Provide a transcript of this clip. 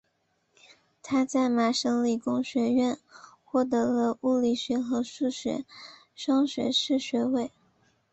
他在麻省理工学院获得了物理学和数学双学士学位。